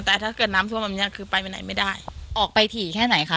แต่ถ้าเกิดน้ำท่วมแบบนี้คือไปไปไหนไม่ได้ออกไปถี่แค่ไหนคะ